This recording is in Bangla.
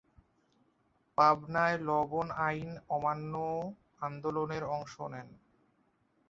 পাবনায় লবণ আইন অমান্য আন্দোলনের অংশ নেন।